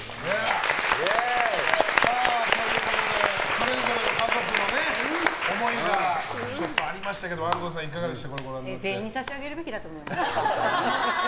それぞれの家族の思いがありましたけど安藤さん、いかがでした？